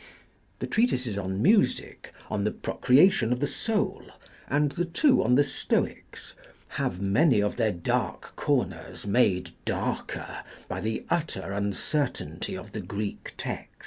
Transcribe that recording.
The treatises on Music, on the Procreation of the Soul, and the two on the Stoics, have many of their dark corners made darker by the utter uncertainty of the Greek text.